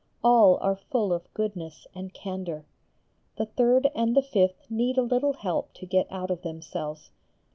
All are full of goodness and candour. The third and the fifth need a little help to get out of themselves.